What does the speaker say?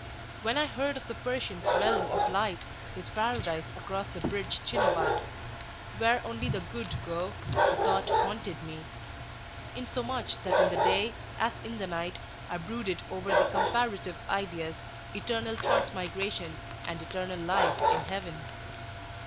When I heard of the Persian's Realm of Light, his Paradise across the bridge Chinevat, where only the good go, the thought haunted me; insomuch that in the day, as in the night, I brooded over the comparative ideas Eternal Transmigration and Eternal Life in Heaven.